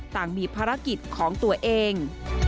ต่างมีภารกิจของตัวเอง